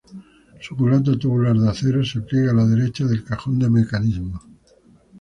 Su culata tubular de acero se pliega a la derecha del cajón de mecanismos.